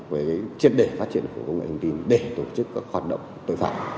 với triệt đề phát triển của công nghệ thông tin để tổ chức các hoạt động tội phạm